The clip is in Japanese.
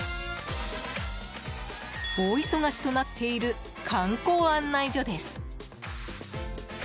大忙しとなっている観光案内所です。